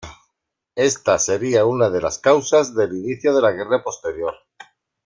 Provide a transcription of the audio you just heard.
Esta sería una de las causas del inicio de la guerra posterior.